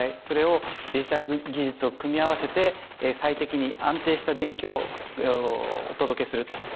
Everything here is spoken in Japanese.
それをデジタル技術を組み合わせて最適に安定した電気をお届けすると。